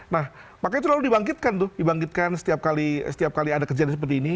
nah makanya terlalu dibangkitkan tuh dibangkitkan setiap kali setiap kali ada kejadian seperti ini